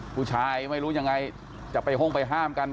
ผู้ชายไม่รู้ยังไงจะไปห้องไปห้ามกัน